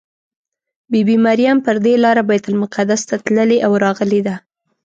بي بي مریم پر دې لاره بیت المقدس ته تللې او راغلې ده.